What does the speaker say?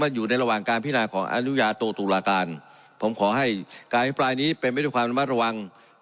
ว่าอยู่ในระหว่างการพินาธิ์ของอนุญาโตตูลหากาศ